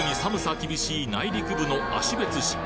厳しい内陸部の芦別市